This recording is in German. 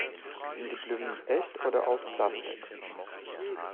Sind die Blumen echt oder aus Plastik?